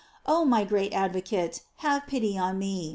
Oh my great advocate, have pity on me.